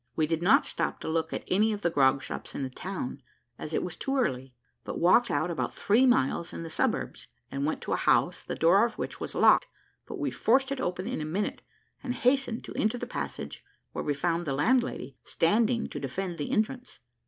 We did not stop to look at any of the grog shops in the town, as it was too early; but walked out about three miles in the suburbs, and went to a house, the door of which was locked, but we forced it open in a minute, and hastened to enter the passage, where we found the landlady standing to defend the entrance.